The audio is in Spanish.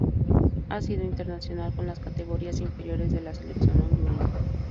Ha sido Internacional con las Categorías Inferiores de la Selección Hondureña.